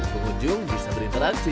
pengunjung bisa berinteraksi